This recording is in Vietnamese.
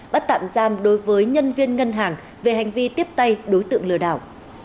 bắt tạm giam đối với nhân viên ngân hàng về hành vi tiếp tay đối tượng lừa đảo